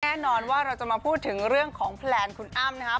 แน่นอนว่าเราจะมาพูดถึงเรื่องของแพลนคุณอ้ำนะครับ